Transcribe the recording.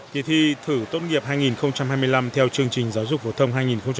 kỳ thi thử tốt nghiệp hai nghìn hai mươi năm theo chương trình giáo dục phổ thông hai nghìn hai mươi